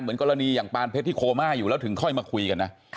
กรณีอย่างปานเพชรที่โคม่าอยู่แล้วถึงค่อยมาคุยกันนะ